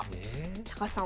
高橋さん